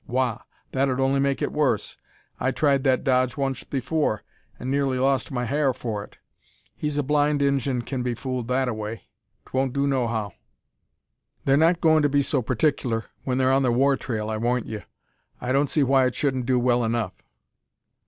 "Wagh! That ud only make it worse. I tried that dodge once afore, an' nearly lost my har for it. He's a blind Injun kin be fooled that away. 'Twon't do nohow." "They're not going to be so partickler when they're on the war trail, I warrant ye. I don't see why it shouldn't do well enough."